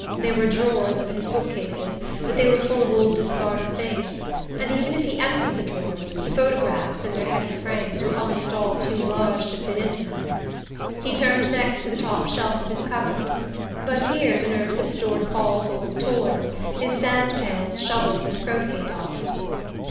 There were drawers under his book cases; but they were full of old discarded things, and even if he emptied the drawers, the photographs, in their heavy frames, were almost all too large to fit into them. He turned next to the top shelf of his cupboard; but here the nurse had stored Paul's old toys, his sand pails, shovels and croquet box.